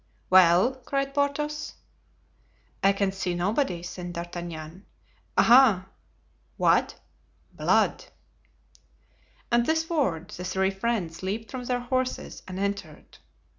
"Well?" cried Porthos. "I can see nobody," said D'Artagnan. "Aha!" "What?" "Blood!" At this word the three friends leaped from their horses and entered.